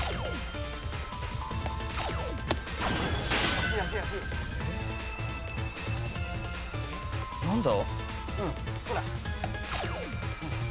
惜しい惜しい惜しい。何だ？